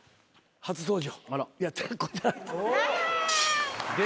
初登場